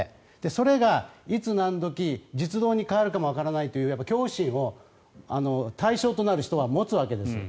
それがいつ何時実動に代わるかもわからないという恐怖心を恐怖心を対象となる人は持つわけですよ。